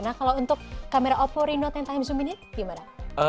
nah kalau untuk kamera oppo reno sepuluh zoom ini gimana